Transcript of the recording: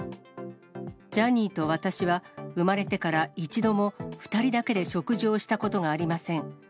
ジャニーと私は、生まれてから一度も２人だけで食事をしたことがありません。